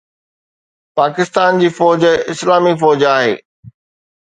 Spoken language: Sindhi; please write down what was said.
پاڪستان جي فوج اسلامي فوج آهي